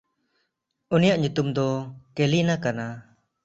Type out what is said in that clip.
ᱩᱱᱤᱭᱟᱜ ᱧᱩᱛᱩᱢ ᱫᱚ ᱠᱮᱞᱤᱱᱟ ᱠᱟᱱᱟ᱾